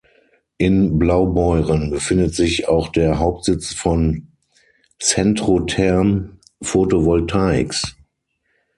In Blaubeuren befindet sich auch der Hauptsitz von Centrotherm Photovoltaics.